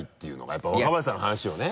やっぱ若林さんの話をね。